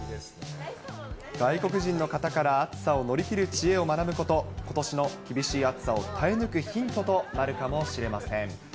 外国人の方から暑さを乗り切る知恵を学ぶこと、ことしの厳しい暑さを耐え抜くヒントとなるかもしれません。